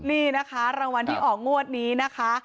นี่นะคะรางวัลที่ออกงวดนี้นะคะ